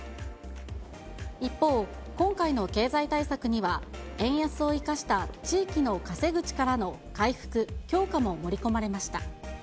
一方、今回の経済対策には、円安を生かした地域の稼ぐ力の回復・強化も盛り込まれました。